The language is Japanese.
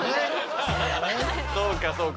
そうかそうか。